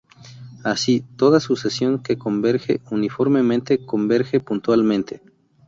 Así, toda sucesión que converge uniformemente, converge puntualmente.